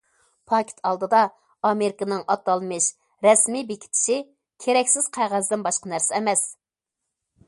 پاكىت ئالدىدا، ئامېرىكىنىڭ ئاتالمىش« رەسمىي بېكىتىشى» كېرەكسىز قەغەزدىن باشقا نەرسە ئەمەس!